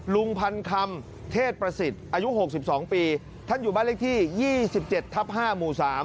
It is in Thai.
ลุงพันคำเทศประสิทธิ์อายุ๖๒ปีท่านอยู่บ้านเลขที่๒๗ทับ๕หมู่๓